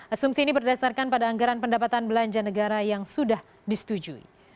asumsi ini berdasarkan pada anggaran pendapatan belanja negara yang sudah disetujui